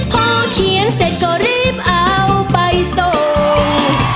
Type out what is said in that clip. พอเขียนเสร็จก็รีบเอาไปส่ง